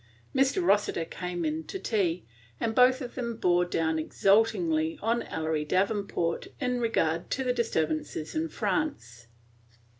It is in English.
Mr. Rossiter came in to tea, and both of them bore down exultingly on Ellery Davenport in regard to the disturbances in France.